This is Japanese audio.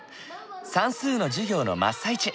算数の授業の真っ最中。